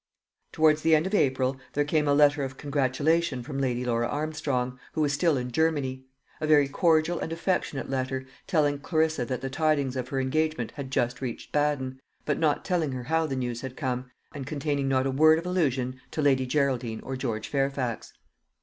Towards the end of April there came a letter of congratulation from Lady Laura Armstrong, who was still in Germany; a very cordial and affectionate letter, telling Clarissa that the tidings of her engagement had just reached Baden; but not telling her how the news had come, and containing not a word of allusion to Lady Geraldine or George Fairfax.